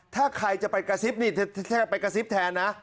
ถ้าใครจะไปกระซิบนี่แค่ไปกระซิบแทนนะ